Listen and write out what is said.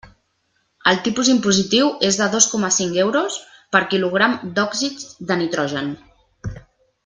El tipus impositiu és de dos coma cinc euros per quilogram d'òxids de nitrogen.